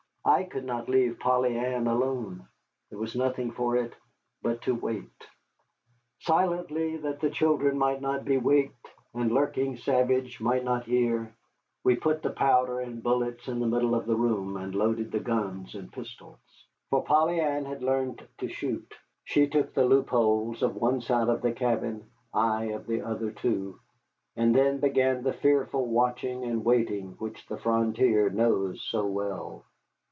I could not leave Polly Ann alone. There was nothing for it but to wait. Silently, that the children might not be waked and lurking savage might not hear, we put the powder and bullets in the middle of the room and loaded the guns and pistols. For Polly Ann had learned to shoot. She took the loopholes of two sides of the cabin, I of the other two, and then began the fearful watching and waiting which the frontier knows so well.